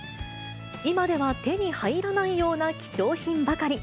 今では手に入らないような貴重品ばかり。